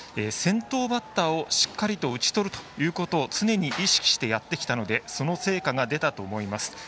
先頭バッターをしっかりと打ち取るということを常に意識してやってきたのでその成果が出たと思います。